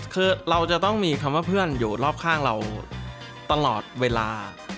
คือเราจะต้องมีคำว่าเพื่อนอยู่รอบข้างเราตลอดเวลา